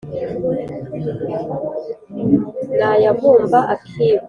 Nayavumba akivumbura